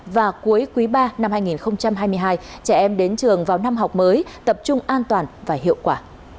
và cuối quý ba năm hai nghìn hai mươi hai trẻ em đến trường vào năm học mới tập trung an toàn và hiệu quả